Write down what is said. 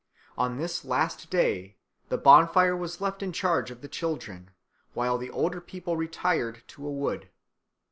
On this last day the bonfire was left in charge of the children, while the older people retired to a wood.